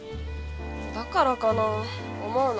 だからかな思うの。